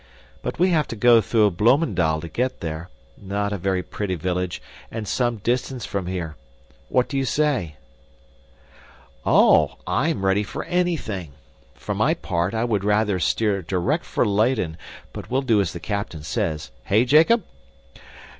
But we have to go through Bloemendal to get there, not a very pretty village, and some distance from here. What do you say?" "Oh, I am ready for anything. For my part, I would rather steer direct for Leyden, but we'll do as the captain says hey, Jacob?"